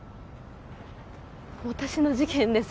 私の事件です